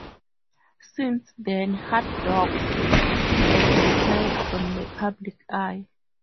Since then Haddock has retired from the public eye.